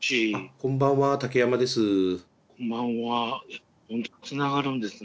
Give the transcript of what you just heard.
こんばんは竹山です。